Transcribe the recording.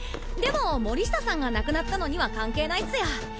でも森下さんが亡くなったのには関係ないっすよ。